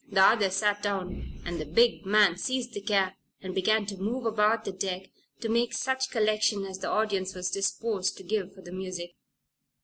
The other sat down and the big man seized the cap and began to move about the deck to make such collection as the audience was disposed to give for the music.